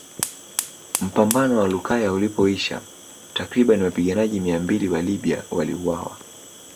Mpambano wa Lukaya ulipoisha takriban wapiganajji mia mbili wa Libya waliuawa